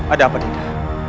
ada apa dinda